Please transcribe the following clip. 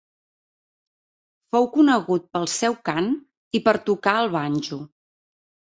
Fou conegut pel seu cant i per tocar el banjo.